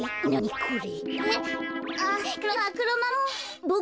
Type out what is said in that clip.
これ。